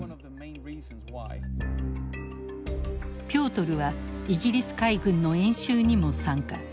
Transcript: ピョートルはイギリス海軍の演習にも参加。